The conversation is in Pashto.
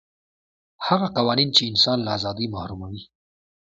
هغه قوانین چې انسان له ازادۍ محروموي.